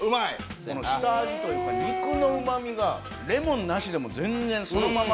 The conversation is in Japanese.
この下味というか肉のうま味がレモンなしでも全然そのまま。